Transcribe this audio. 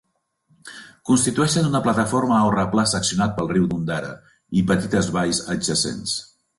Constitueixen una plataforma o replà seccionat pel riu d'Ondara i petites valls adjacents.